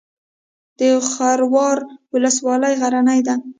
د خروار ولسوالۍ غرنۍ ده